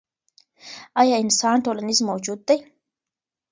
ایا انسان ټولنیز موجود دی؟